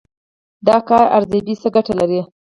د کار ارزیابي څه ګټه لري؟